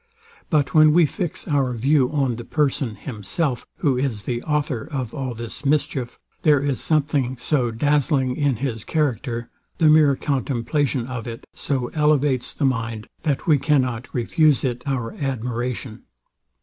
But when we fix our view on the person himself, who is the author of all this mischief, there is something so dazzling in his character, the mere contemplation of it so elevates the mind, that we cannot refuse it our admiration.